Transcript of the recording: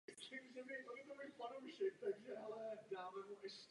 Nezbytnou civilní pomoc lze poskytovat mnohem účinněji bez vojenského angažmá.